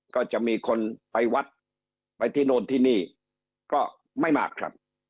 ก็จะมีคนไปวัดไปที่โน่นที่นี่ก็ไม่มากครับ